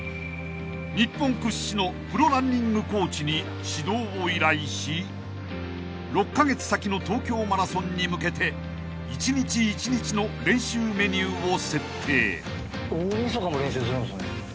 ［日本屈指のプロランニングコーチに指導を依頼し６カ月先の東京マラソンに向けて一日一日の練習メニューを設定］